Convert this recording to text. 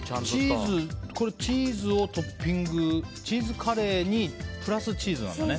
これチーズをトッピングチーズカレーにプラスチーズなんだね。